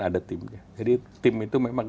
ada timnya jadi tim itu memang